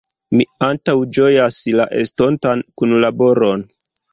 Mi antaŭĝojas la estontan kunlaboron.